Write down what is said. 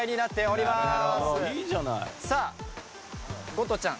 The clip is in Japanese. ゴトちゃん？